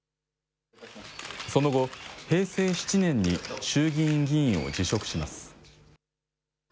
その後、平成７年に衆議院議員を辞職します。